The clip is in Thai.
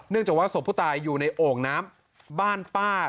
จากว่าศพผู้ตายอยู่ในโอ่งน้ำบ้านป้า